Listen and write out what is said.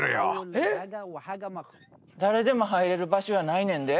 誰でも入れる場所やないねんで。